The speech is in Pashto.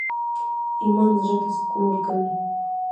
ایمان زړه ته سکون ورکوي؟